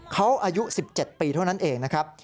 เขาอายุ๑๗ปีเท่านั้นเองนะครับ